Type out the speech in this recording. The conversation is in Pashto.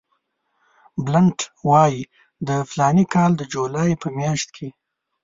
بلنټ وایي د فلاني کال د جولای په میاشت کې.